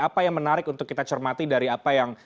apa yang menarik untuk kita cermati dari apa yang